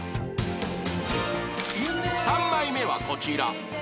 ３枚目はこちら